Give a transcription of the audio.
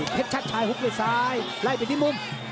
เพชรชัตริหุบไปซ้ายล่ายไปที่มุม